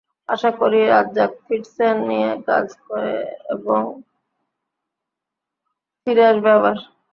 আশা করি, রাজ্জাক ফিটনেস নিয়ে কাজ করবে এবং ফিরে আসবে আবার।